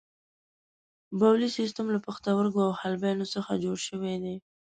بولي سیستم له پښتورګو او حالبینو څخه جوړ شوی دی.